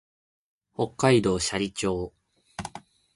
北海道斜里町